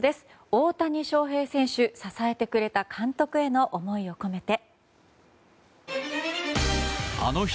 大谷翔平選手、支えてくれた監督への思いを込めて。